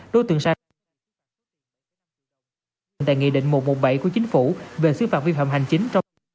đối tượng sa đéc đã đặt tài nghị định một trăm một mươi bảy của chính phủ về xứ phạm vi phạm hành chính